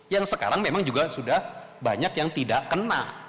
yang sekarang memang juga sudah banyak yang tidak kena